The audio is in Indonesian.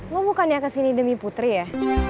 lo bukannya kesini demi putri ya